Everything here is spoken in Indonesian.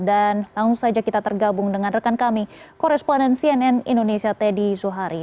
dan langsung saja kita tergabung dengan rekan kami koresponden cnn indonesia teddy zuhari